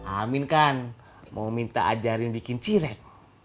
amin kan mau minta ajarin bikin cirek